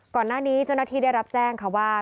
ก่อนหน้านี้เจ้าหน้าที่ได้รับแจ้งค่ะว่า